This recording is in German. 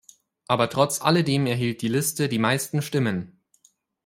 Aber trotz alledem erhielt die Liste die meisten Stimmen.